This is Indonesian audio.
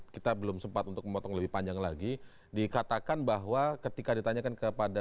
kita belum sempat untuk memotong lebih panjang lagi dikatakan bahwa ketika ditanyakan kepada